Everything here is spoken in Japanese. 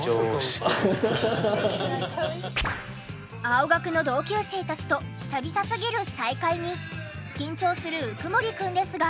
青学の同級生たちと久々すぎる再会に緊張する鵜久森くんですが。